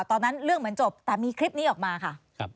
ตอนนั้นเรื่องเหมือนจบแต่มีคลิปนี้ออกมาค่ะ